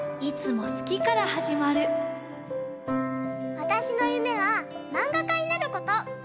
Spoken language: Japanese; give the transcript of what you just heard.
わたしの夢はマンガかになること。